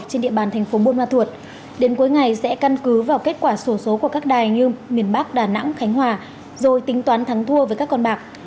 trên địa bàn thành phố buôn ma thuột đến cuối ngày sẽ căn cứ vào kết quả sổ số của các đài như miền bắc đà nẵng khánh hòa rồi tính toán thắng thua với các con bạc